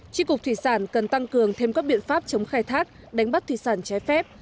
tri cục thủy sản cần tăng cường thêm các biện pháp chống khai thác đánh bắt thủy sản trái phép